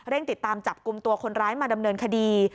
ติดตามจับกลุ่มตัวคนร้ายมาดำเนินคดี